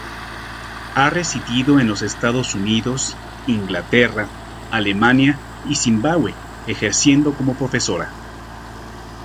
Ha residido en los Estados Unidos, Inglaterra, Alemania y Zimbabwe, ejerciendo como profesora.